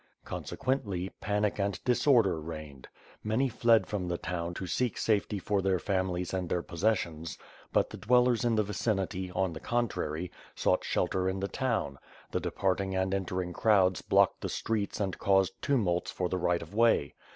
Consequently, panic and dis order reigned. Many fled from the town to seek safety for tjieir families and their possessions; but the dwellers in the vicinity, on the contrary, sought shelter in the town; the de parting and entering crowds blocked the streets and caused tumults for the right of way.